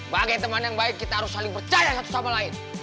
bagi teman yang baik kita harus saling percaya satu sama lain